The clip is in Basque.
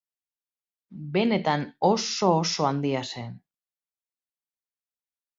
Benetan oso-oso handia zen.